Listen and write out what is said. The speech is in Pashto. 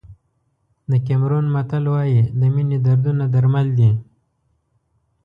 د کیمرون متل وایي د مینې دردونه درمل دي.